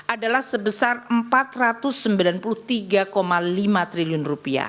adalah sebesar rp empat ratus sembilan puluh tiga lima triliun